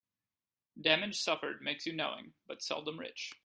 Damage suffered makes you knowing, but seldom rich.